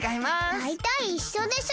だいたいいっしょでしょ？